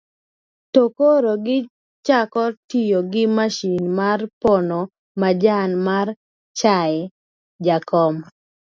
to koro gichako tiyo gi masin mar pono majan mar chaye. jakom